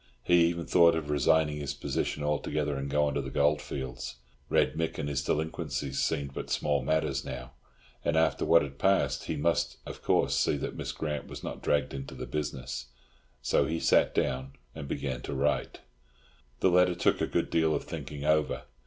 He even thought of resigning his position altogether and going to the goldfields. Red Mick and his delinquencies seemed but small matters now; and, after what had passed, he must, of course, see that Miss Grant was not dragged into the business. So he sat down and began to write. The letter took a good deal of thinking over.